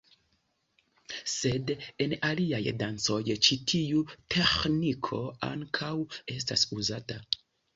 Sed en aliaj dancoj ĉi tiu teĥniko ankaŭ estas uzata.